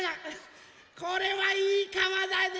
これはいいかわだね。